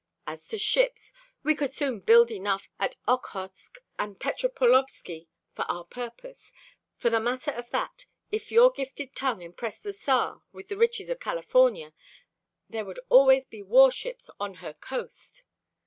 As to ships, we could soon build enough at Okhotsk and Petropaulovsky for our purpose. For the matter of that, if your gifted tongue impressed the Tsar with the riches of California there would always be war ships on her coast."